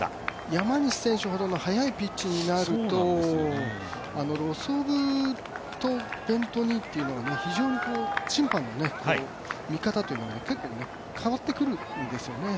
山西選手ほどの早いピッチになるとロス・オブとベント・ニーというのが非常に審判の見方というのが結構変わってくるんですね。